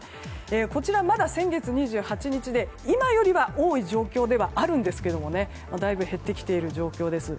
こちら、まだ先月２８日で今よりは多い状況ではあるんですけどもだいぶ減ってきている状況です。